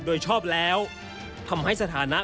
โดยชอบแล้วทำให้สถานะ